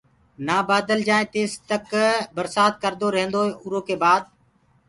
نآ بدل جآئي تيستآئين ڪردو ريهيندوئي اُرو ڪي بآد